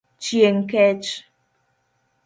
Chieng kech.